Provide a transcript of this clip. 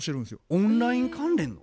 オンライン関連の？